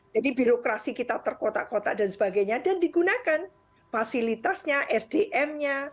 jadi birokrasi kita terkotak kotak dan sebagainya dan digunakan fasilitasnya sdm nya